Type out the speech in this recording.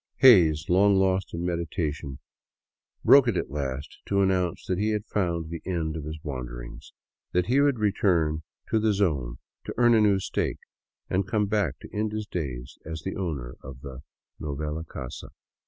Hays, long lost in meditation, broke it at last to announce that he had found the end of his wanderings; that he would return to the Zone to earn a new " stake " and come back to end his days as the owner of the '' novela casa."